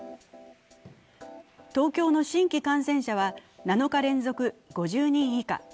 東京の新規感染者は７日連続５０人以下。